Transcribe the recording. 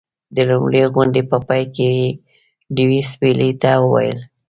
د لومړۍ غونډې په پای کې یې لیویس پیلي ته وویل.